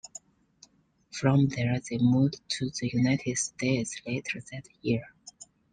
From there they moved to the United States later that year.